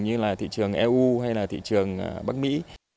như là thị trường eu hay là thị trường bắc mỹ